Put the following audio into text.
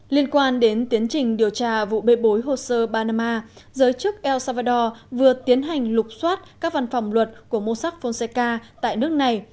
liên quan đến tiến trình điều tra vụ bê bối hồ sơ banama giới chức el salvador vừa tiến hành lục xoát các văn phòng luật của mosaphoneca tại nước này